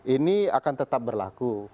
ini akan tetap berlaku